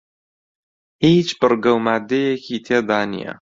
هیچ بڕگە و ماددەیەکی تێدا نییە